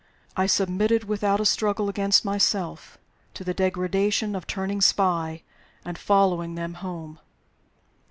I submitted, without a struggle against myself, to the degradation of turning spy and following them home.